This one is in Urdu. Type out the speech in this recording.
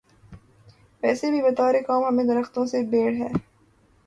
ویسے بھی بطور قوم ہمیں درختوں سے بیر ہے۔